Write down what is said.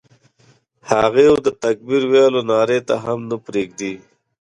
هغوی د تکبیر ویلو نارې ته هم نه پرېږدي.